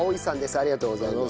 ありがとうございます。